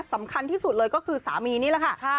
สำคัญที่สุดเลยก็คือสามีนี่แหละค่ะ